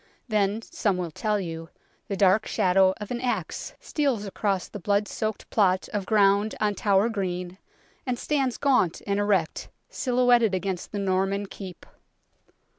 Then, some will tell you, the dark shadow of an axe steals across the blood soaked plot of ground on Tower Green, and stands gaunt and erect, silhouetted against the Norman keep.